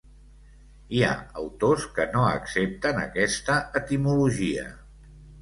Hi ha autors que no accepten aquesta etimologia.